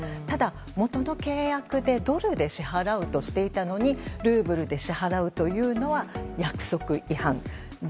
ただ、元の契約でドルで支払うとしていたのにルーブルで支払うというのは約束違反。